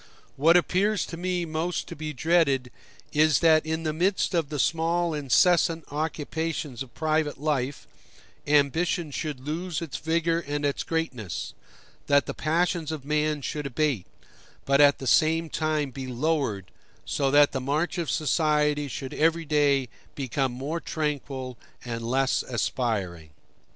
What appears to me most to be dreaded is that, in the midst of the small incessant occupations of private life, ambition should lose its vigor and its greatness that the passions of man should abate, but at the same time be lowered, so that the march of society should every day become more tranquil and less aspiring.